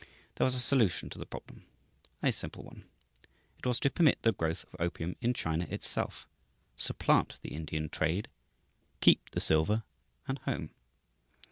There was a solution to the problem a simple one. It was to permit the growth of opium in China itself, supplant the Indian trade, keep the silver at home.